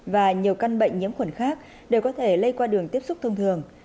và nhiều căn bệnh nhiễm khuẩn khác đều có thể lây qua đường tiếp xúc thông thường